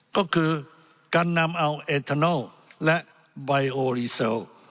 ก็คือการนำเอาเอทานอลและไบโอรีเซล